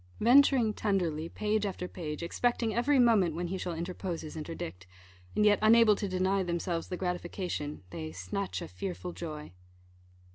Venturing tenderly, page after page, expecting every moment when he shall interpose his interdict, and yet unable to deny themselves the gratification, they "snatch a fearful joy."